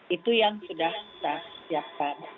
itu yang sudah kita siapkan